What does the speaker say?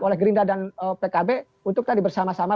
oleh gerindra dan pkb untuk tadi bersama sama